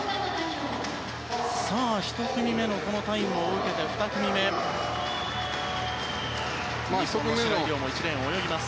１組目のタイムを受けて２組目、日本の白井璃緒も１レーンを泳ぎます。